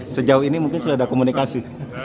sejauh ini mungkin sudah ada komunikasi